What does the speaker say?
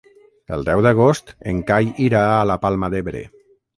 El deu d'agost en Cai irà a la Palma d'Ebre.